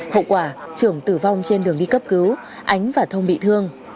hậu quả trưởng tử vong trên đường đi cấp cứu ánh và thông bị thương